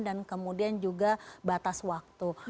dan kemudian juga batas waktu